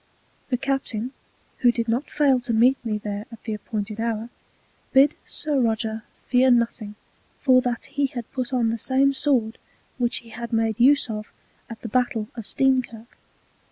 ] The Captain, who did not fail to meet me there at the appointed Hour, bid Sir Roger fear nothing, for that he had put on the same Sword which he made use of at the Battel of _Steenkirk.